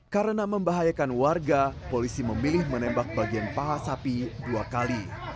karena membahayakan warga polisi memilih menembak bagian paha sapi dua kali